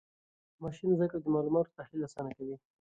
ماشین زده کړه د معلوماتو تحلیل آسانه کوي.